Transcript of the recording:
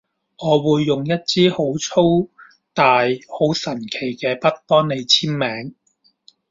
我會用一支好粗大好神奇嘅筆幫你簽名